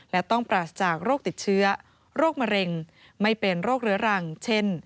และต้องปราศจากโรคติดเชื้อโรคมะเร็งไม่เป็นโรคเรื้อรังเช่น